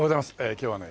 今日はね